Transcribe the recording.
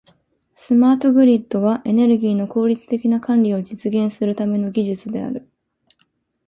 スマートグリッドは、エネルギーの効率的な管理を実現するための技術である。